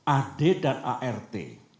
ad dan art